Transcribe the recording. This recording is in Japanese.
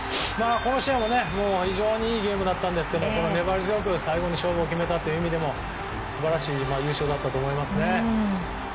この試合も非常にいいゲームだったんですが粘り強く最後に勝負を決めたという意味でも素晴らしい優勝だったと思います。